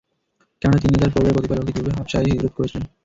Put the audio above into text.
কেননা তিনি ও তার পরিবারের কতিপয় লোক ইতিপূর্বে হাবশায় হিজরত করেছিলেন।